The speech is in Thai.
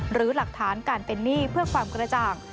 หรือหลักฐานการเป็นหนี้เพื่อความกระจ่าง